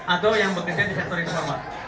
atau yang bekerja di sektor informal